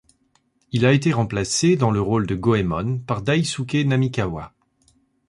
Il a été remplacé dans le rôle de Goemon par Daisuke Namikawa.